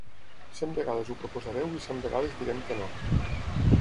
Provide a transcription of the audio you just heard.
Cent vegades ho proposareu i cent vegades direm que no.